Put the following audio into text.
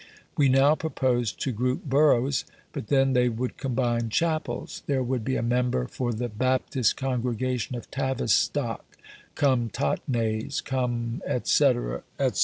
We now propose to group boroughs; but then they would combine chapels. There would be a member for the Baptist congregation of Tavistock, cum Totnes, cum, etc., etc.